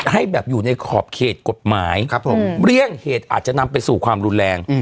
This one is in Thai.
ให้แบบอยู่ในขอบเขตกฎหมายเลี่ยงเหตุอาจจะนำไปสู่ความรุนแรง